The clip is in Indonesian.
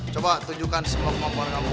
coba tunjukkan semua kemampuan kamu